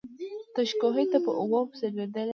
تش کوهي ته په اوبو پسي لوېدلی.